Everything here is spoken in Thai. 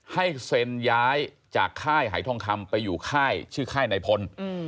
ให้เซ็นย้ายจากค่ายหายทองคำไปอยู่ค่ายชื่อค่ายนายพล